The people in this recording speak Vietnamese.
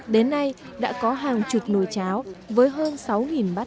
đến nay đã có hàng chục nồi cháo với hơn sáu bát